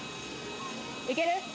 いける？